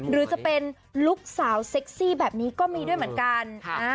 หรือจะเป็นลูกสาวเซ็กซี่แบบนี้ก็มีด้วยเหมือนกัน